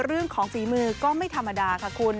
รื่มของฝีมือก็ไม่ธรรมดาค่ะคุณ